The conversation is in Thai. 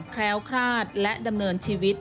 แคล้วคลาดและดำเนินชีวิต